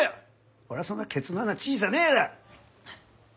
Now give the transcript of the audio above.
俺はそんなケツの穴小さねえわ！